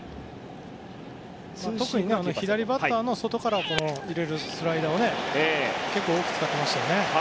特に左バッターの外から入れるスライダーを結構、多く使っていましたね。